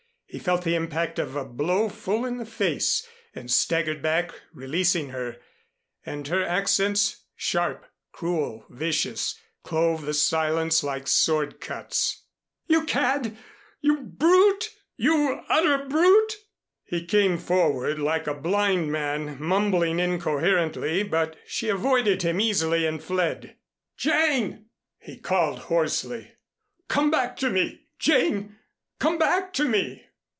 He felt the impact of a blow full in the face and staggered back releasing her. And her accents, sharp, cruel, vicious, clove the silence like sword cuts. "You cad! You brute! You utter brute!" He came forward like a blind man, mumbling incoherently, but she avoided him easily, and fled. "Jane!" he called hoarsely. "Come back to me, Jane. Come back to me!